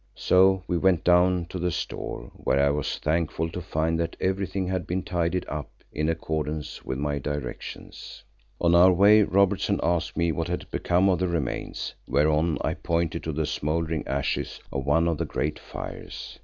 So we went down to the Store, where I was thankful to find that everything had been tidied up in accordance with my directions. On our way Robertson asked me what had become of the remains, whereon I pointed to the smouldering ashes of one of the great fires.